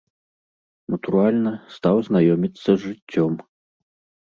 Натуральна, стаў знаёміцца з жыццём.